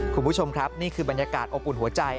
คุณผู้ชมครับนี่คือบรรยากาศอบอุ่นหัวใจ